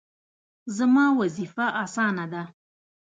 زما وظیفه اسانه ده